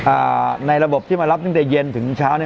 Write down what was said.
ในระบบที่มารับตั้งแต่เย็นถึงเช้าเนี้ย